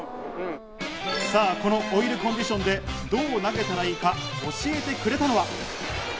このオイルコンディションでどう投げたらいいか教えてくれたのは。